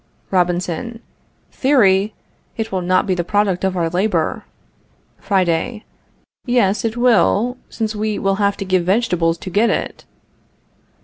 Robinson. Theory! It will not be the product of our labor. Friday. Yes, it will, since we will have to give vegetables to get it.